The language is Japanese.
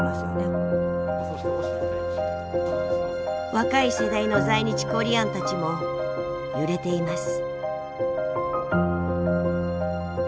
若い世代の在日コリアンたちも揺れています。